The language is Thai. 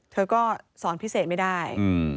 เธอก็สอนพิเศษไม่ได้